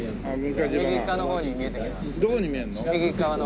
どこに見えるの？